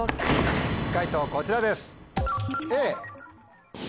解答こちらです。